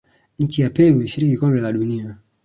nchi ya peru ilishiriki kombe la dunia